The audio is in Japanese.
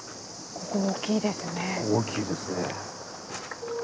ここ大きいですね。